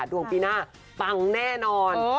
ดวงปีหน้าปังแน่นอน